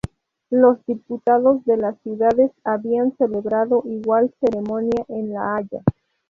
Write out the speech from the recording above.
Los diputados de las ciudades habían celebrado igual ceremonia en La Haya.